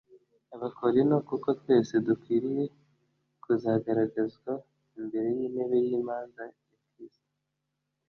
Abakorinto "Kuko twese dukwiriye kuzagaragarizwa imbere y'intebe y'imanza ya Kristo